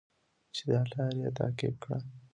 چې دا لاره یې تعقیب کړه.